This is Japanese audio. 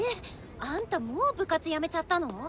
あんたもう部活辞めちゃったの？